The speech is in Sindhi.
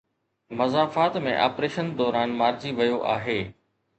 مضافات ۾ آپريشن دوران مارجي ويو آهي.